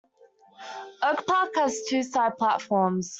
Oak Park has two side platforms.